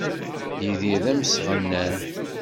Yidir d amesɣennan.